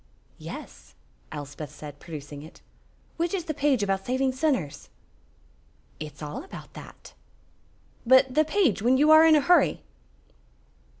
"Yes," Elspeth said, producing it. "Which is the page about saving sinners?" "It's all about that." "But the page when you are in a hurry?"